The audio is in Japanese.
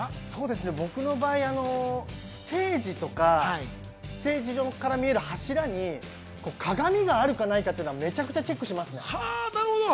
僕の場合ステージとか、ステージ上から見える柱に鏡があるかないかというのをめちゃくちゃチェックします。